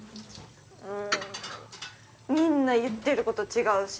もうみんな言ってること違うし。